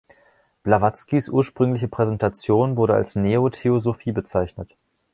Blawatzkys ursprüngliche Präsentation wurde als Neo-Theosophie bezeichnet.